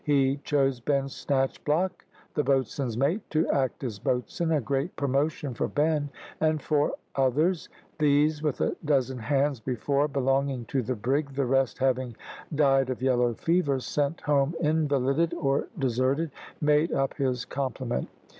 He chose Ben Snatchblock, the boatswain's mate, to act as boatswain, a great promotion for Ben, and four others; these, with a dozen hands before belonging to the brig, the rest having died of yellow fever, sent home invalided, or deserted, made up his complement.